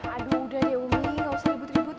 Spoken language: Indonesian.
aduh udah ya umi enggak usah ribut ribut ya